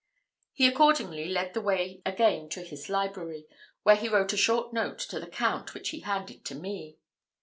He accordingly led the way again to his library, where he wrote a short note to the count, which he handed to me.